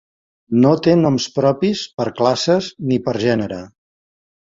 No té noms propis per classes ni per gènere.